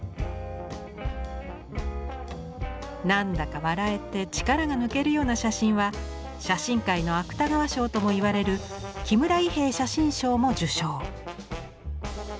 なんだか笑えて力が抜けるような写真は写真界の芥川賞ともいわれる木村伊兵衛写真賞も受賞。